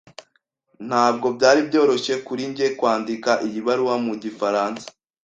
Ntabwo byari byoroshye kuri njye kwandika iyi baruwa mu gifaransa.